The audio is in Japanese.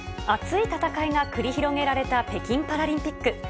熱い戦いが繰り広げられた北京パラリンピック。